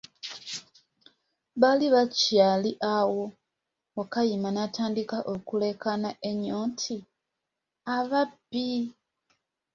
Baali bakyali awo, Wakayima n'atandika okulekaana enyo nti, ababbi!